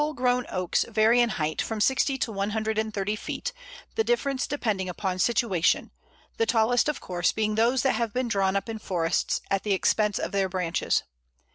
] Full grown oaks vary in height from sixty to one hundred and thirty feet, the difference depending upon situation; the tallest, of course, being those that have been drawn up in forests, at the expense of their branches.